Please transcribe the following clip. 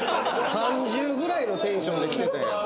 ３０ぐらいのテンションできてたやん。